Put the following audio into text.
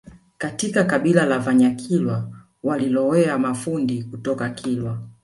Katika kabila la Vanyakilwa walilowea mafundi kutoka kilwa